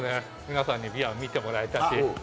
皆さんにびわ見てもらえたし。